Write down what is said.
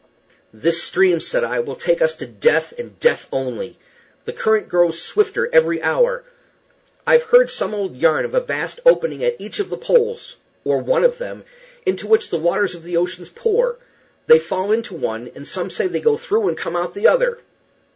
"This stream," said I, "will take us to death, and death only. The current grows swifter every hour. I've heard some old yarn of a vast opening at each of the poles, or one of them, into which the waters of the ocean pour. They fall into one, and some say they go through and come out at the other."